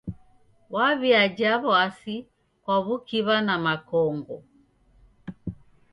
W'aw'iaja w'asi kwa w'ukiw'a na makongo.